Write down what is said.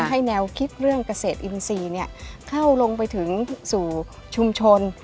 ให้แนวคิดเรื่องเกษตรอินทรีย์เข้าลงไปถึงสู่ชุมชน